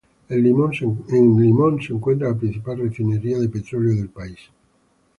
En Limón se encuentra la principal refinería de petróleo del país.